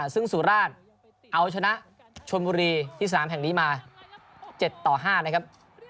ซึ่งสุราชเอาชนะชนบุรีที่สนามแห่งนี้มา๗ต่อ๕นะครับ